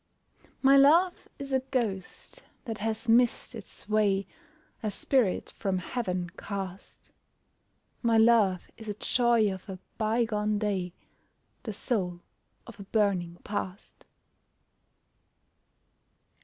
My love is a ghost that has missed its way, A spirit from Heaven cast; My love is a joy of a bygone day, The soul of a burning past.